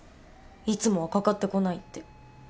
いつもはかかってこないって。